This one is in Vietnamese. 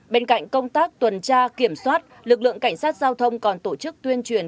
bên cạnh công tác tuần tra kiểm soát lực lượng cảnh sát giao thông còn tổ chức tuyên truyền